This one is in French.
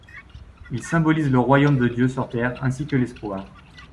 Il symbolise le royaume de dieu sur Terre ainsi que l’espoir.